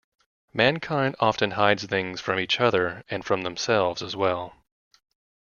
Mankind often hides things from each other and from themselves as well.